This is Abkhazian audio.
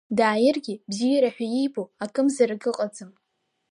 Дааиргьы бзиара ҳәа иибо акымзарак ыҟаӡам.